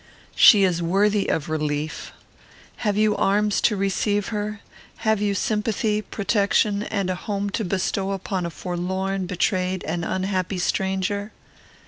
She is worthy of relief. Have you arms to receive her? Have you sympathy, protection, and a home to bestow upon a forlorn, betrayed, and unhappy stranger?